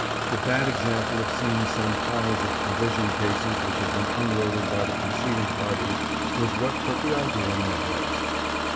The bad example of seeing some piles of provision cases which had been unloaded by the preceding parties was what put the idea in their heads.